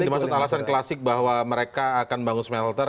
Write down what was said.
dimaksud alasan klasik bahwa mereka akan bangun smelter